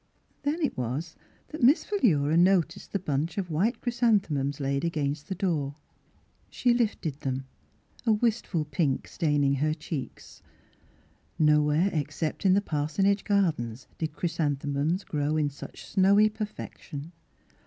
Then it was that Miss Phi lura noticed the bunch of white chrys anthemums laid against the door. She lifted them, a wistful pink staining her cheeks. Nowhere except in the par sonage garden did chrysanthemums grow in such snowy perfection.